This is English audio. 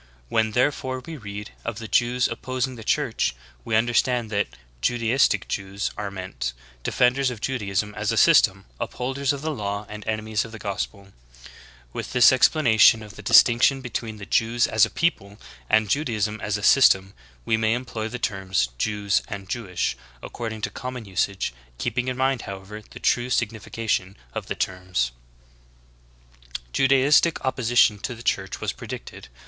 When therefore we read of the Jews op posing the Church, we understand that Judaistic Jews are meant — defenders of Judaism as a system, upholders of the law and enemies of the gospel. With this explanation of b See Note 3, end of chapter. cSee Matt. 10: 5, 6. ^ See Acts chapters 10 ?nd 1!. 58 THE GREAT APOSTASY. the distinction between the Jews as a people and Judaism as a system, we may employ the terms "J^^s" and "Jewish" according to common usage, keeping in mind, however, the true signification of the terms. 9. Judaistic opposition to the Church was predicted.